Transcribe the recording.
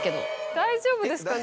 大丈夫ですかね？